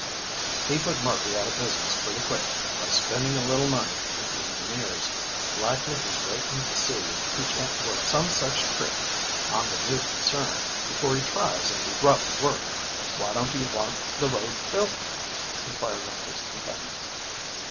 He put Murphy out of business pretty quick by spending a little money with the engineers. Likely he's waiting to see if he can't work some such trick on the new concern before he tries any rough work." "Why don't he want the road built?" inquired one of his companions.